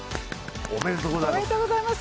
おめでとうございます。